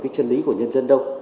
cái chân lý của nhân dân đâu